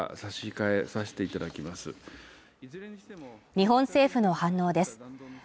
日本政府の反応です。